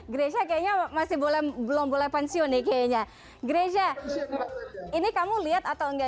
grecia kayaknya masih boleh belum boleh pensiun nih kayaknya grecia ini kamu lihat atau enggak